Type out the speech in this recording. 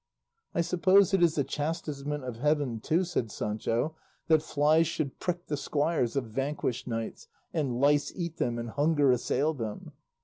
"I suppose it is the chastisement of heaven, too," said Sancho, "that flies should prick the squires of vanquished knights, and lice eat them, and hunger assail them.